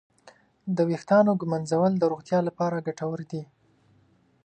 د ویښتانو ږمنځول د روغتیا لپاره ګټور دي.